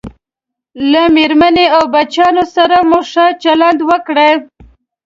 له میرمنې او بچیانو سره مو ښه چلند وکړئ